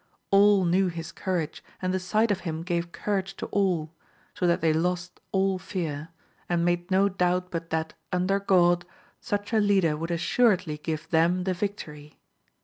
All knew his courage, and the sight of him gave courage to all ; so that they lost all fear, and made no doubt but that, under God, such a leader would assuredly give them the victory.